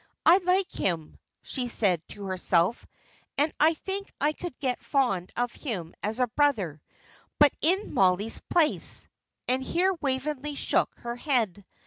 "I like him," she said to herself, "and I think I could get fond of him as a brother; but in Mollie's place" and here Waveney shook her head.